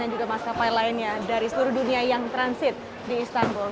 dan juga maskapai lainnya dari seluruh dunia yang transit di istanbul